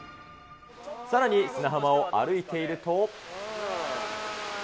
さらに、砂浜を歩いていると。